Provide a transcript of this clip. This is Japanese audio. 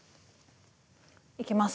いきます。